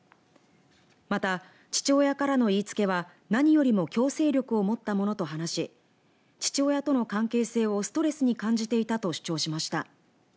また、父親からの言いつけは何よりも強制力を持ったものと話し父親との関係性をストレスに感じていたと主張しました。